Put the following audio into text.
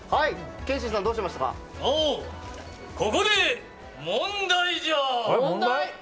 ここで問題じゃ！